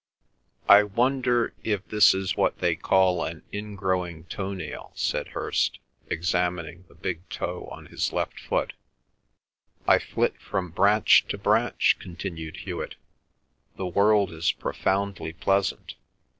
"I wonder if this is what they call an ingrowing toe nail?" said Hirst, examining the big toe on his left foot. "I flit from branch to branch," continued Hewet. "The world is profoundly pleasant."